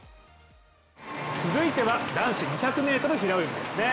続いては男子２００ｍ平泳ぎですね。